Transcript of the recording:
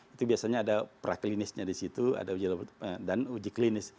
itu biasanya ada praklinisnya di situ dan uji klinis